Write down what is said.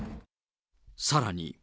さらに。